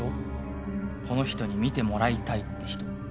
この人に見てもらいたいって人。